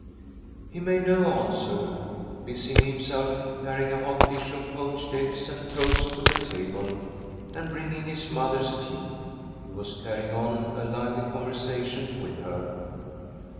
He made no answer, busying himself in carrying a hot dish of poached eggs and toast to the table, and bringing his mother's tea. He was carrying on a lively conversation with her.